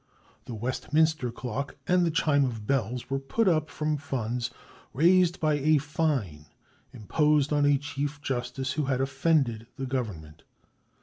The Westminster clock and the chime of bells were put up from funds raised by a fine imposed on a chief justice who had offended the government.